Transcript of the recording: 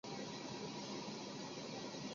土壤属上沙溪庙组的灰棕紫泥土。